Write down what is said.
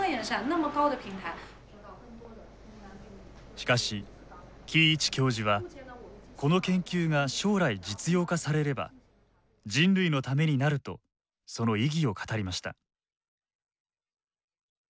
しかし季維智教授はこの研究が将来実用化されれば人類のためになるとその意義を語りました。